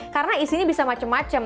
karena isinya bisa macam macam